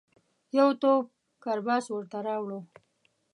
یو توپ کرباس ورته راووړ.